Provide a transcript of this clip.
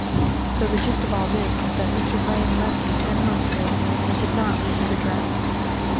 "So the gist of all this is that Mr. Vrain left you ten months ago, and did not leave his address?"